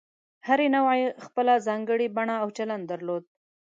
هرې نوعې خپله ځانګړې بڼه او چلند درلود.